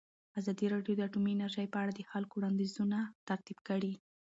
ازادي راډیو د اټومي انرژي په اړه د خلکو وړاندیزونه ترتیب کړي.